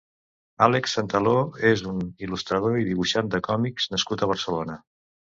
Àlex Santaló és un il·lustrador i dibuixant de còmics nascut a Barcelona.